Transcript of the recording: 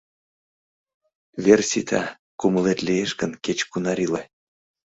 Вер сита, кумылет лиеш гын, кеч-кунар иле.